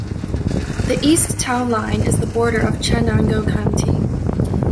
The east town line is the border of Chenango County.